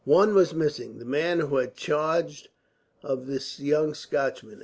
"One was missing, the man who had charge of this young Scotchman.